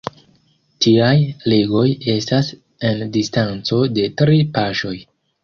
Tiaj ligoj estas en distanco de tri paŝoj.